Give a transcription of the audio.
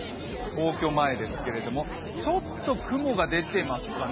皇居前ですけども、ちょっと雲が出てますかね。